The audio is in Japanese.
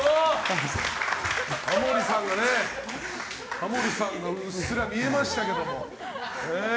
タモリさんがうっすら見えましたけども。